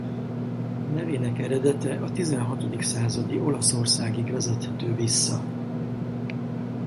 Nevének eredete a tizenhatodik századi Olaszországig vezethető vissza.